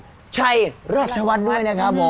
นี่ไงครับผมถึงแล้ว